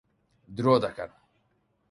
درۆ دەکەن.